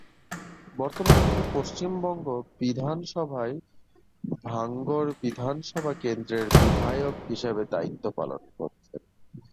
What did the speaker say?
বর্তমানে তিনি পশ্চিমবঙ্গ বিধানসভায় ভাঙড় বিধানসভা কেন্দ্রের বিধায়ক হিসেবে দায়িত্ব পালন করছেন।